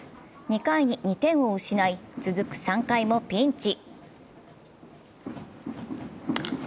２回に２点を失い、続く３回もピンチ。